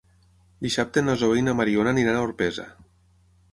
Dissabte na Zoè i na Mariona aniran a Orpesa.